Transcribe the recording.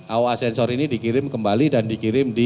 aoa sensor ini dikirim kembali dan dikirim di